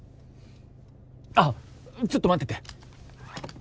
あっちょっと待ってて。